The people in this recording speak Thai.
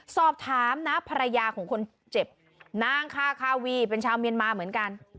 สอบถามนะภรรยาของคนเจ็บนางคาคาวีเป็นชาวเมียนมาเหมือนกัน